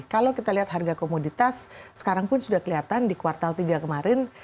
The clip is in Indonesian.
kalau kita lihat harga komoditas sekarang pun sudah kelihatan di kuartal tiga kemarin